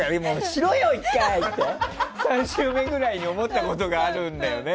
しろよ、１回！って３週目ぐらいに思ったことがあるんだよね。